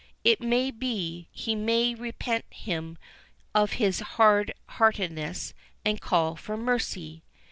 It may be, he may repent him of his hard heartedness and call for mercy."